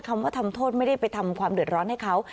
คำว่าทำโทษไม่ได้ไปทำความเดือดร้อนให้เขา